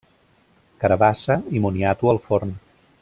Carabassa i moniato al forn.